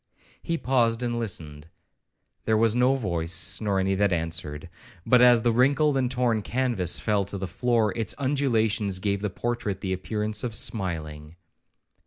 He paused and listened:—'There was no voice, nor any that answered;'—but as the wrinkled and torn canvas fell to the floor, its undulations gave the portrait the appearance of smiling.